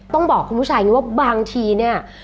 ต้องบอกคุณผู้ชายอย่างนี้ว่าบางทีเนี่ย